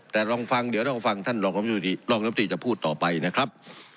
แต่ลองฟังเดี๋ยวลองฟังท่านรองรับตรีจะพูดต่อไปนะครับ